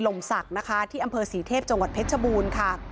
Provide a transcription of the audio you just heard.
ลมศักดิ์นะคะที่อำเภอศรีเทพจังหวัดเพชรบูรณ์ค่ะ